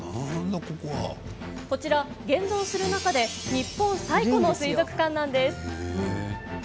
こちら、現存する中で日本最古の水族館なんです。